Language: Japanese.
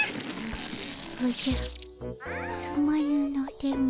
おじゃすまぬの電ボ。